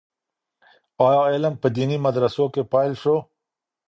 آيا علم په ديني مدرسو کي پيل سو؟